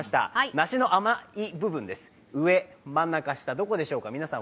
梨の甘い部分です上、真ん中、下どこでしょうか。